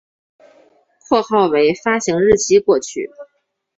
括号为发行日期过去